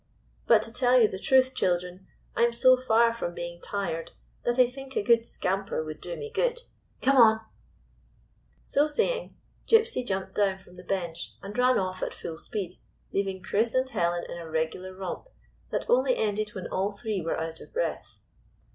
But, to tell you the truth, children, I 'm so far from being tired that I think a good scamper would do me good. Come on !" So saying, Gypsy jumped down from the bench and ran off at full speed, leading Chris 229 GYPSY, THE TALKING DOG and Helen in a regular romp that only ended when all three were out of breath.